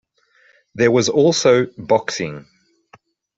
There was also boxing.